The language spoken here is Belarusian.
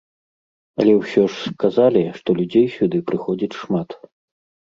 Але ўсё ж сказалі, што людзей сюды прыходзіць шмат.